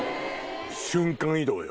瞬間移動よ。